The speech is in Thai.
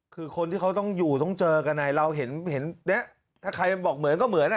คือคนที่เขาต้องอยู่ต้องเจอกันไงเราเห็นเห็นเนี้ยถ้าใครบอกเหมือนก็เหมือนอ่ะ